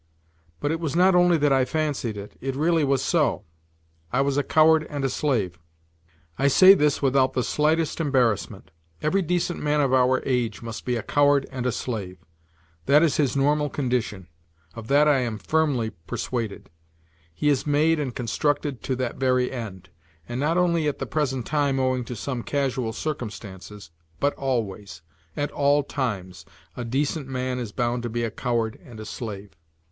But it was not only that I fancied it, it really was so. I was a coward and a slave. I say this without the slightest embarrassment. Every decent man of our age must be a coward and a slave. That is his normal condition. Of that I am firmly persuaded. He is made and constructed to that very end. And not only at the present time owing to some casual circumstances, but always, at all times, a decent man is bound to be a coward and a slave.